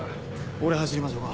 俺走りましょか。